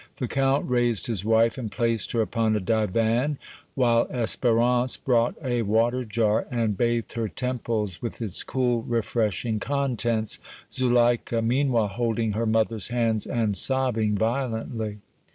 The Count raised his wife and placed her upon a divan, while Espérance brought a water jar and bathed her temples with its cool, refreshing contents, Zuleika meanwhile holding her mother's hands and sobbing violently.